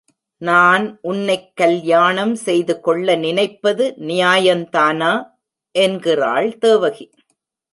நான் உன்னைக் கல்யாணம் செய்து கொள்ள நினைப்பது நியாயந்தானா? என்கிறாள் தேவகி.